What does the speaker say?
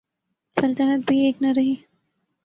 سلطنت بھی ایک نہ رہی۔